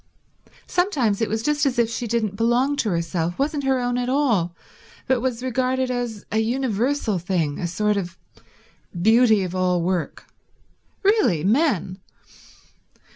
Sometimes it was just as if she didn't belong to herself, wasn't her own at all, but was regarded as a universal thing, a sort of beauty of all work. Really men